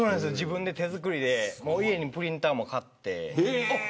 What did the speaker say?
手作りで家にプリンターも買って。